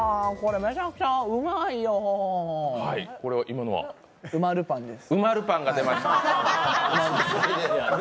めちゃくちゃうまいようまルパンです。